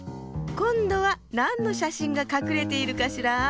こんどはなんのしゃしんがかくれているかしら？